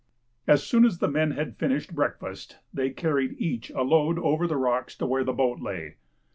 As soon as the men had finished breakfast they carried each a load over the rocks to where the boat lay.